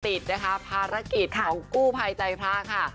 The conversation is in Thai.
ติดนะคะภารกิจของกู้ภัยใจพระค่ะ